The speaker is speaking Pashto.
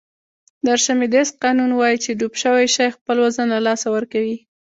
د ارشمیدس قانون وایي چې ډوب شوی شی خپل وزن له لاسه ورکوي.